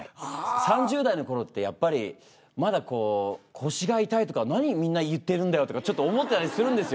３０代のころってやっぱりまだ腰が痛いとか何みんな言ってるんだよとかちょっと思ったりするんですよ